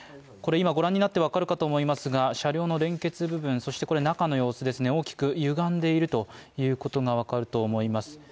これ今ご覧になってわかるかと思いますが、車両の連結部分そして中の様子ですね大きく歪んでいるということがわかると思います。